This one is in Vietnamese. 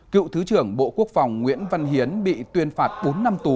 cựu thứ trưởng bộ quốc phòng nguyễn văn hiến bị tuyên phạt bốn năm tù